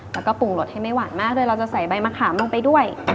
แล้วก็ปูนกระบูนลดให้ไม่หวานมากแล้วเราจะใส่ใบมะขามลงไปด้วย